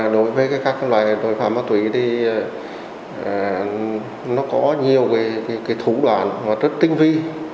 đối với các loại tội phạm ma túy thì nó có nhiều thủ đoạn rất tinh vi